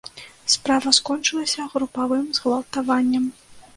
Справа скончылася групавым згвалтаваннем.